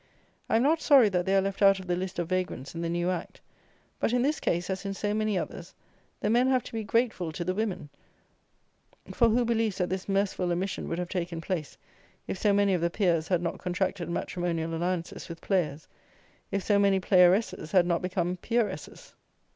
I am not sorry that they are left out of the list of vagrants in the new Act; but in this case, as in so many others, the men have to be grateful to the women; for who believes that this merciful omission would have taken place, if so many of the peers had not contracted matrimonial alliances with players; if so many playeresses had not become peeresses.